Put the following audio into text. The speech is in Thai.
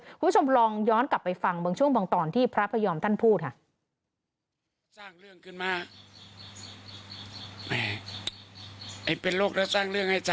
คุณผู้ชมลองย้อนกลับไปฟังบางช่วงบางตอนที่พระพยอมท่านพูดค่ะ